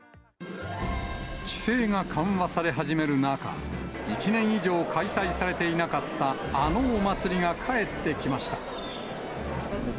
規制が緩和され始める中、１年以上開催されていなかった、あのお祭りが帰ってきました。